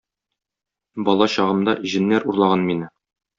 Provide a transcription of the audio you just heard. Бала чагымда җеннәр урлаган мине.